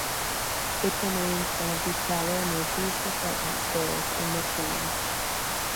It remains one of the smaller Macy's department stores in the chain.